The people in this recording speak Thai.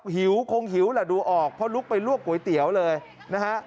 หิวคงหิวแหละดูออกเพราะลุกไปลวกก๋วยเตี๋ยวเลยนะฮะ